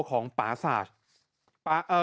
ของปราศาสตร์